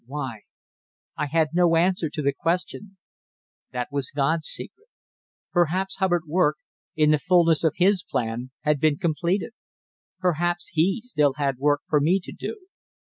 Why? I had no answer to the question. That was God's secret. Perhaps Hubbard's work, in the fulness of His plan, had been completed. Perhaps He still had work for me to do.